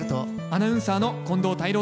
アナウンサーの近藤泰郎です。